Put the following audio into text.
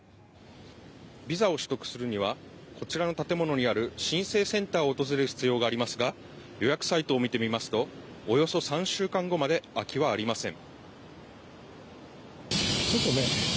ビザを取得するにはこちらの建物にある申請センターを訪れる必要がありますが予約サイトを見てみますとおよそ３週間後まで空きはありません。